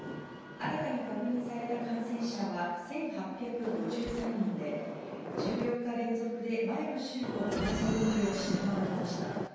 新たに確認された感染者は１８５３人で、１４日連続で前の週の同じ曜日を下回りました。